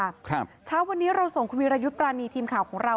ครับเช้าวันนี้เราส่งคุณวิรยุทธ์ปรานีทีมข่าวของเรา